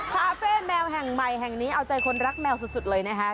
คาเฟ่แมวแห่งใหม่แห่งนี้เอาใจคนรักแมวสุดเลยนะคะ